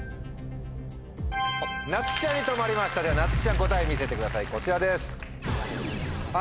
なつきちゃんに止まりましたではなつきちゃん答え見せてくださいこちらです。わ！